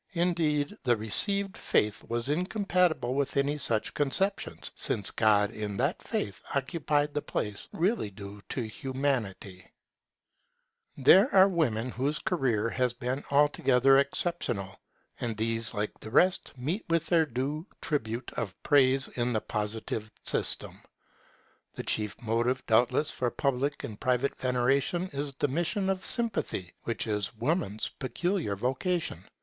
Indeed the received faith was incompatible with any such conception, since God in that faith occupied the place really due to Humanity. [Exceptional women. Joan of Arc] There are women whose career has been altogether exceptional; and these, like the rest, meet with their due tribute of praise in the Positive system. The chief motive, doubtless, for public and private veneration is the mission of sympathy, which is Woman's peculiar vocation.